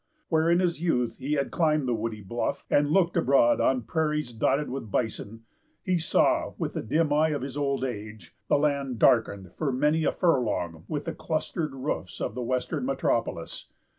Where, in his youth, he had climbed the woody bluff, and looked abroad on prairies dotted with bison, he saw, with the dim eye of his old age, the land darkened for many a furlong with the clustered roofs of the western metropolis.